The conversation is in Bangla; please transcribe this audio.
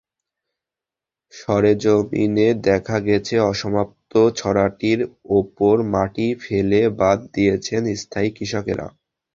সরেজমিনে দেখা গেছে, অসমাপ্ত ছড়াটির ওপর মাটি ফেলে বাঁধ দিয়েছেন স্থানীয় কৃষকেরা।